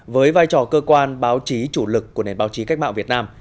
với vai trò cơ quan báo chí chủ lực của nền báo chí cách mạng việt nam